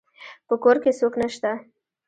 په کور کې څوک نشته